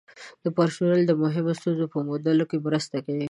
د پرسونل د مهمو ستونزو په موندلو کې مرسته کوي.